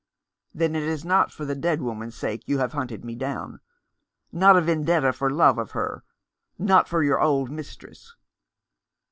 " Then it is not for the dead woman's sake you have hunted me down — not a vendetta for love of her, not for your old mistress